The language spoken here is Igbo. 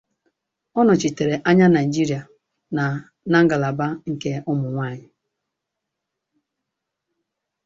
Ọ nọchitere anya Nigeria na na ngalaba nke ụmụ nwaanyị.